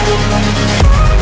aku mau ngeliatin apaan